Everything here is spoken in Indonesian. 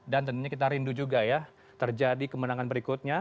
dan tentunya kita rindu juga ya terjadi kemenangan berikutnya